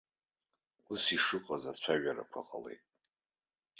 Ус ишыҟаз ацәажәарақәа ҟалеит.